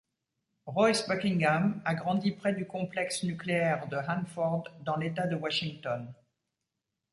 Royce Buckingham a grandi près du complexe nucléaire de Hanford dans l'état de Washington.